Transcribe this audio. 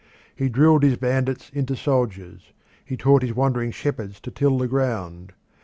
He drilled his bandits into soldiers; he taught his wandering shepherds to till the ground.